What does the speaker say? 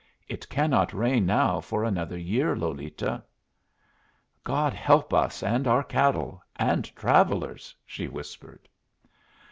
It cannot rain now for another year, Lolita." "God help us and our cattle, and travellers!" she whispered.